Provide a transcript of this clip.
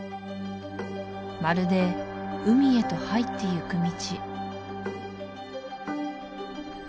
まるで海へと入っていく道